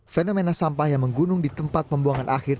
fenomena sampah yang menggunung di tempat pembuangan akhir